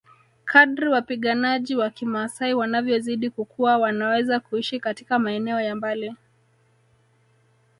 Kadri wapiganaji wa kimaasai wanavyozidi kukua wanaweza kuishi katika maeneo ya mbali